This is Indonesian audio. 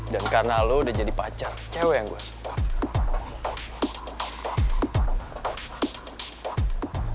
dan karena lo udah jadi pacar cewek yang gue suka